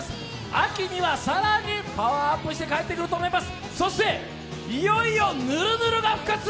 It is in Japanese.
秋には更にパワーアップして帰ってくると思います。